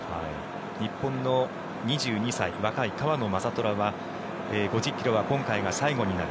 日本の２２歳若い川野将虎は５０ｋｍは今回が最後になる。